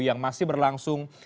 yang masih berlangsung